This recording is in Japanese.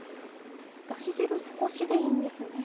だし汁少しでいいんですね。